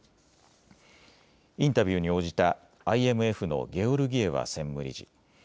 インタビューに応じたＩＭＦのゲオルギエワ専務理事。